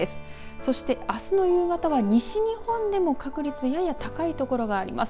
そして、あすの夕方は西日本でも確率やや高い所があります。